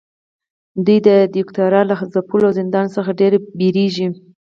دوی د دیکتاتورۍ له ځپلو او زندان څخه ډیر ویریږي.